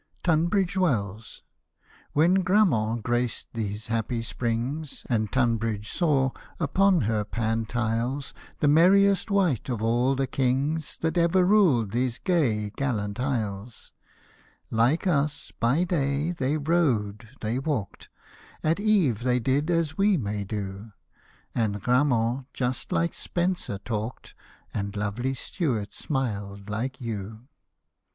Tunbridge Wells. When Grammont graced these happy springs, And Tunbridge saw, upon her Pantiles, The merriest wight of all the kings That ever ruled these gay, gallant isles ; Like us, by day, they rode, they walked, At eve, they did as we may do. And Grammont just like Spencer talked, And lovely Stewart smiled like you.